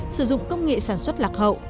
sử dụng công nghệ sản xuất lạc hậu